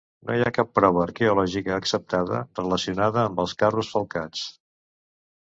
No hi ha cap prova arqueològica acceptada relacionada amb els carros falcats.